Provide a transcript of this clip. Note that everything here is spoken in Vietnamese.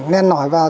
nên nổi vào